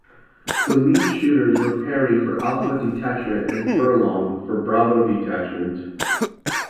The lead shooters were Perry, for Alpha Detachment, and Furlong, for Bravo Detachment.